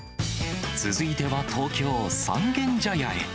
続いては、東京・三軒茶屋へ。